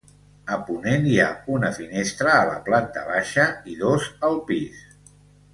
A ponent hi ha una finestra a la planta baixa i dos al pis.